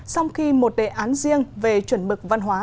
sau khi một đề án riêng về chuẩn mực văn hóa